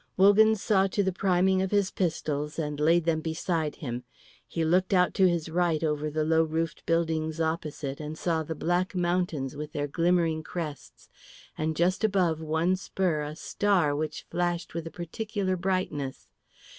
Wogan saw to the priming of his pistols and laid them beside him. He looked out to his right over the low roofed buildings opposite, and saw the black mountains with their glimmering crests, and just above one spur a star which flashed with a particular brightness.